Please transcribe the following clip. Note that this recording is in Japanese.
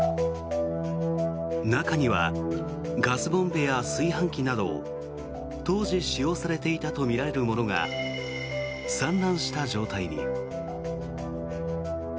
中にはガスボンベや炊飯器など当時使用されていたとみられるものが散乱した状態に。